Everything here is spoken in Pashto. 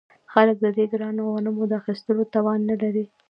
خلک د دې ګرانو غنمو د اخیستلو توان نلري